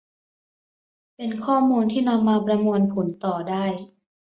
เป็นข้อมูลที่นำมาประมวลผลต่อได้